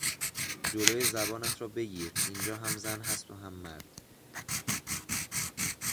جلو زبانت را بگیر اینجا هم زن هست و هم مرد!